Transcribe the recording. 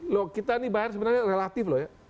loh kita ini bayar sebenarnya relatif loh ya